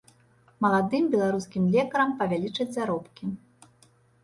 Маладым беларускім лекарам павялічаць заробкі.